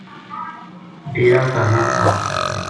ڈیرا تا نہ آ سکیا